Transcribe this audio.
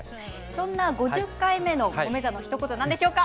そんな５０回目の「おめざ」のひと言何でしょうか？